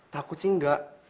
takut sih enggak